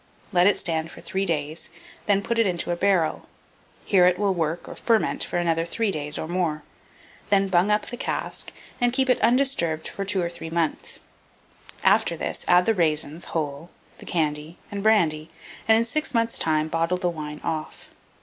Let it stand for 3 days, then put it into a barrel; here it will work or ferment for another three days or more; then bung up the cask, and keep it undisturbed for 2 or 3 months. After this, add the raisins (whole), the candy, and brandy, and, in 6 months' time, bottle the wine off.